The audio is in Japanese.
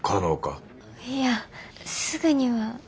いやすぐには。